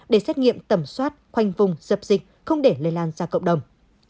để xét nghiệm tẩm soát khoanh vùng dập dịch không để lây lan ra cộng đồng